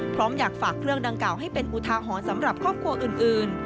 พร้อมอยากฝากเครื่องดังกล่าวให้เป็นอุทาหรณ์สำหรับครอบครัวอื่น